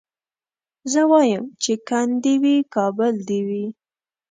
زه وايم چي کند دي وي کابل دي وي